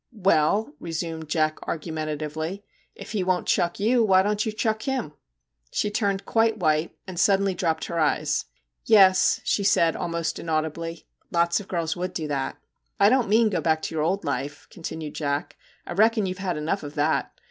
'Well,' resumed Jack argumentatively, 'if he won't " chuck " you, why don't you " chuck " She turned quite white, and suddenly dropped her eyes. 'Yes/ she said, almost inaudibly, ' lots of girls would do that/ ' I don't mean go back to your old life,' continued Jack, ' I reckon you Ve had enough of that.